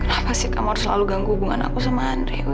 kenapa sih kamu harus selalu ganggu hubungan aku sama andri wih